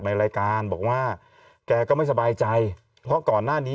ในรายการบอกว่าแกก็ไม่สบายใจเพราะก่อนหน้านี้